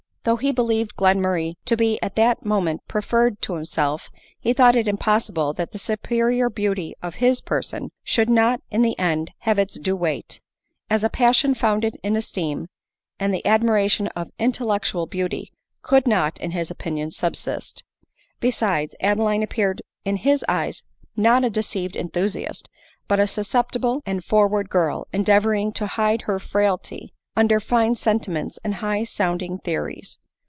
Though he believed Glenmurjay to be at that moment preferred to himself, he thought it impossible that the superior beauty of his person should not in the end, have its due weight ; as a passion founded in esteem, and the admiration of intellectual beauty, could not, in his opinion, subsist; besides, Adeline appeared in his eyes not a deceived enthusiast, but a susceptible and forward girl, endeavoring to hide her frailty under fine sentiments and high sounding theories.